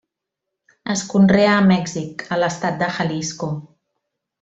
Es conrea a Mèxic, a l'estat de Jalisco.